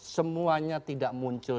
semuanya tidak muncul